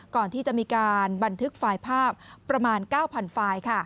ก่อนที่จะมีการบันทึกไฟล์ภาพประมาณ๙๐๐ไฟล์